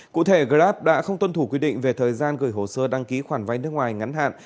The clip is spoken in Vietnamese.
cụ thể grab đã không tuân thủ quy định về thời gian gửi hồ sơ đăng ký khoản vay nước ngoài ngắn hạn